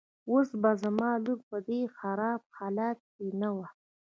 اوس به زما لور په دې خراب حالت کې نه وه.